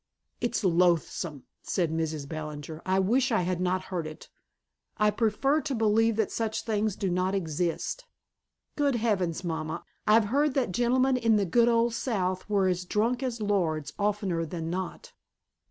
"It's loathsome," said Mrs. Ballinger. "I wish I had not heard it. I prefer to believe that such things do not exist." "Good heavens, mamma, I've heard that gentlemen in the good old South were as drunk as lords, oftener than not."